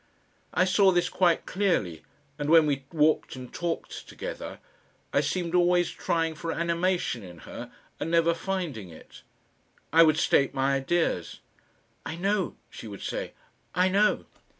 I saw this quite clearly, and when we walked and talked together I seemed always trying for animation in her and never finding it. I would state my ideas. "I know," she would say, "I know."